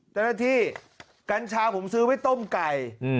เจ้าหน้าที่กัญชาผมซื้อไว้ต้มไก่